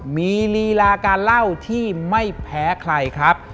มีลีลาการเล่าที่ไม่แพ้ใครครับ